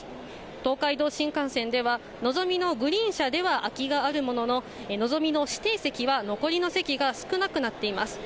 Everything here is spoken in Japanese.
東海道新幹線では、のぞみのグリーン車では空きがあるものの、のぞみの指定席は残りの席が少なくなっています。